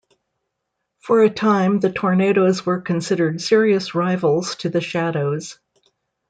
For a time The Tornados were considered serious rivals to The Shadows.